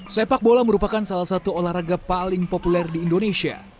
sepak bola merupakan salah satu olahraga paling populer di indonesia